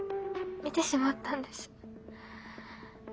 見てしまったんです。